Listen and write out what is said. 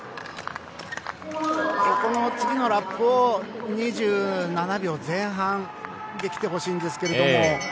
次のラップを２７秒前半できてほしいんですが。